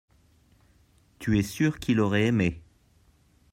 tu es sûr qu'il aurait aimé.